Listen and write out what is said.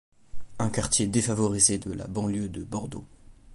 Un quartier défavorisé de la banlieue de Bordeaux.